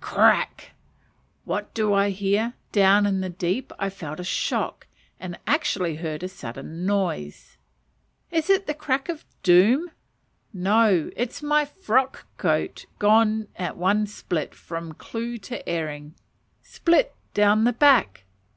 Crack! What do I hear? Down in the deep I felt a shock, and actually heard a sudden noise. Is it the "crack of doom?" No, it is my frock coat gone at one split "from clue to earing" split down the back.